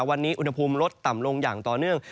วันนี้อุณหภูมิลดต่ำลงอย่างต่อเนื่อง